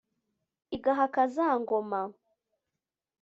Igahaka za ngoma .